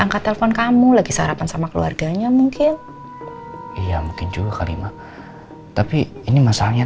angkat telepon kamu lagi sarapan sama keluarganya mungkin iya mungkin juga kali ma tapi ini masalahnya